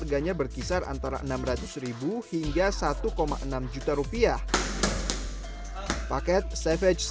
kega juga itu